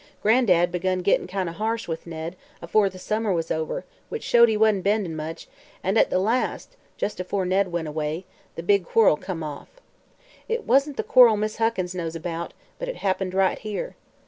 Gran'dad begun gittin' kind o' harsh with Ned, afore the summer was over, which showed he wasn't bendin' much, and at the last just afore Ned went away the big quarrel come off. It wasn't the quarrel Miss Huckins knows about, but it happened right here.